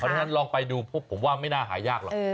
เพราะฉะนั้นลองไปดูผมว่าไม่น่าหายากหรอก